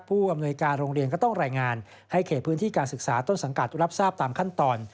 ผู้อำนวยการโรงเรียนก็ต้องรายงานให้เขตพื้นที่การศึกษาต้นสังกัดรับทราบตามขั้นตอน